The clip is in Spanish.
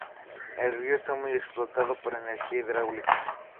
El río está muy explotado para energía hidráulica.